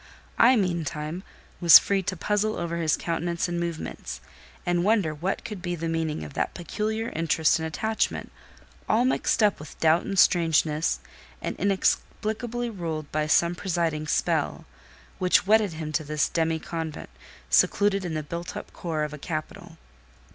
I, meantime, was free to puzzle over his countenance and movements, and wonder what could be the meaning of that peculiar interest and attachment—all mixed up with doubt and strangeness, and inexplicably ruled by some presiding spell—which wedded him to this demi convent, secluded in the built up core of a capital.